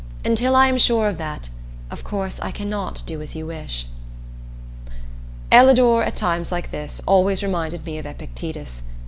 Until I am sure of that, of course I cannot do as you wish." Ellador, at times like this, always reminded me of Epictetus.